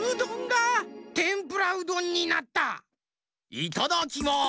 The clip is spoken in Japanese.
いただきます！